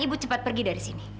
ibu cepat pergi dari sini